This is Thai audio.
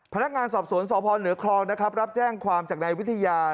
พนักงานสอบสวนสพเหนือกลองรับแจ้งความจากในวิทยา